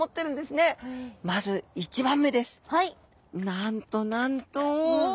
なんとなんと！